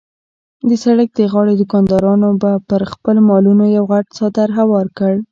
د سړک د غاړې دوکاندارانو به پر خپلو مالونو یو غټ څادر هوار کړ.